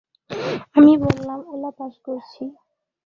আমি বললাম, উলা পাস করছি।